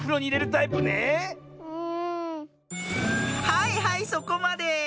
はいはいそこまで！